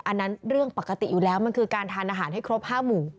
อันนั้นเรื่องปกติอยู่แล้วมันคือการทานอาหารให้ครบ๕หมู่